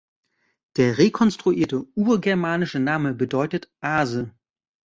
Der rekonstruierte urgermanische Name bedeutet „Ase“.